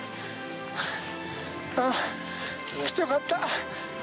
「ああ来てよかった」